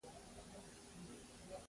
څه ورته ونه ویل.